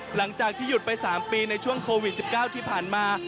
หลังจากที่หยุดไป๓ปีในช่วงโควิด๑๙ที่ผ่านมา